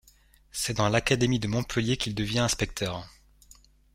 C’est dans l’académie de Montpellier qu’il devient inspecteur.